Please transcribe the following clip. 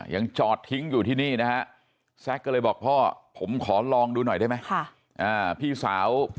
ยังจอดทิ้งอยู่ที่นี่นะฮะ